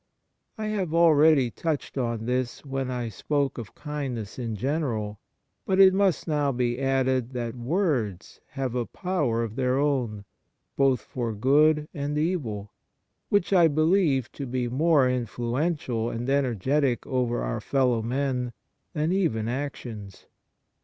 I have already touched on this when I spoke of kindness in general, but it must now be added that words have a power of their own, both for good and evil, which I 70 Kindness believe to be more influential and energetic over our fellow men than even actions.